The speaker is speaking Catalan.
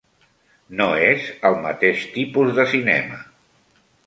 No és el mateix tipus de cinema.